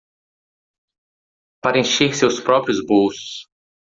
Para encher seus próprios bolsos.